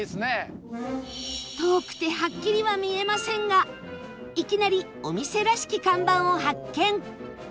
遠くてはっきりは見えませんがいきなりお店らしき看板を発見